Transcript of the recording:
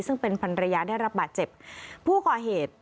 ซึ่งเป็นภรรยาได้รับบาดเจ็บผู้ก่อเหตุ